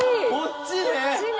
こっちね。